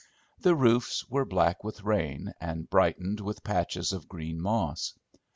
The roofs were black with rain, and brightened with patches of green moss.